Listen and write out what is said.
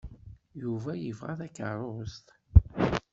Yuba yebɣa takeṛṛust?